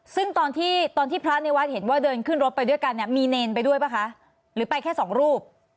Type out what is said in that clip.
ซึ่งตอนที่ตอนที่พระในวัดเห็นว่าเดินขึ้นรถไปด้วยกันเนี่ยมีเนรไปด้วยป่ะคะหรือไปแค่สองรูป